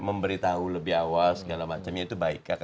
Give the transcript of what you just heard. memberitahu lebih awal segala macamnya itu baik